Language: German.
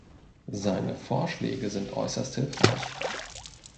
Seine Vorschläge sind äußerst hilfreich.